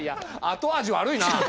後味悪いなぁ。